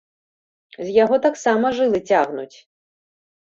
З яго таксама жылы цягнуць!